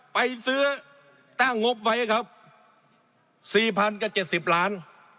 ไปซื้อตั้งงบไฟครับ๔๐๗๐ล้าน